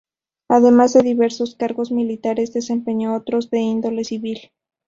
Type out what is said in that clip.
Además de diversos cargos militares, desempeñó otros de índole civil.